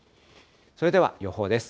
それでは予報です。